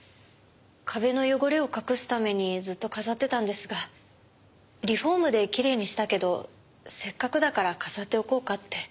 壁の汚れを隠すためにずっと飾ってたんですがリフォームできれいにしたけどせっかくだから飾っておこうかって。